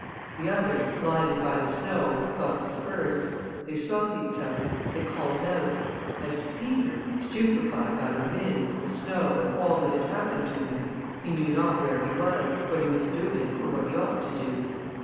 The others, blinded by the snow, got dispersed; they sought each other; they called out. As to Peter, stupified by the wind, the snow, and all that had happened to him, he knew not where he was, what he was doing, or what he ought to do.